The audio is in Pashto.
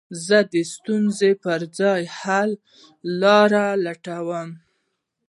زه د ستونزو پر ځای، حللاري لټوم.